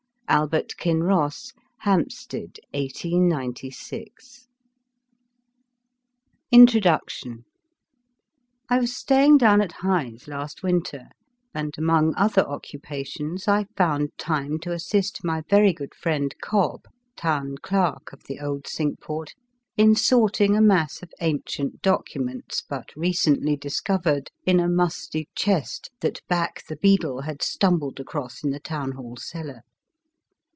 ALBERT KINROSS. Hampstead, i8p6. INTRODUCTION I WAS staying down at Hythe last winter, and, among other occupa tions, I found time to assist my very good friend Cobb, Town Clerk of the old cinque port, in sorting a mass of ancient documents but recently discov ered in a musty chest that Back the beadle had stumbled across in the Town Hall cellar.